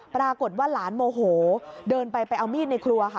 ปรากฏว่าหลานโมโหเดินไปไปเอามีดในครัวค่ะ